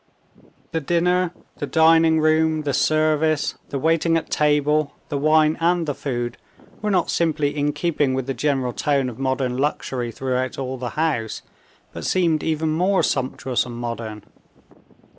The dinner, the dining room, the service, the waiting at table, the wine, and the food, were not simply in keeping with the general tone of modern luxury throughout all the house, but seemed even more sumptuous and modern.